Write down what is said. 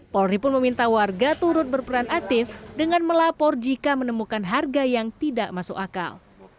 polri pun meminta warga turut berperan aktif dengan melapor jika menemukan harga yang tidak masuk akal